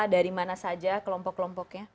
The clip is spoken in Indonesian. dari mana saja kelompok kelompoknya